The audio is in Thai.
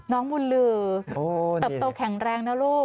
บุญลือเติบโตแข็งแรงนะลูก